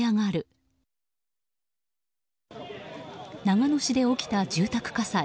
長野市で起きた住宅火災。